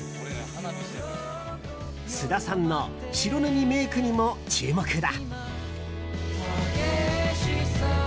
菅田さんの白塗りメイクにも注目だ。